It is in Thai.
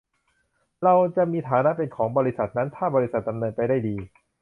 เราจะมีฐานะเป็น ของบริษัทนั้น ถ้าบริษัทดำเนินไปได้ดี